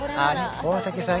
大竹さん